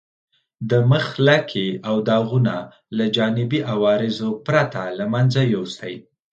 د مخ لکې او داغونه له جانبي عوارضو پرته له منځه یوسئ.